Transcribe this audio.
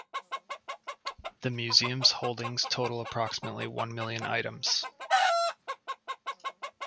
The Museum's holdings total approximately one million items.